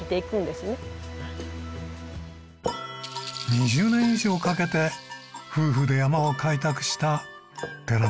２０年以上かけて夫婦で山を開拓した寺田さん。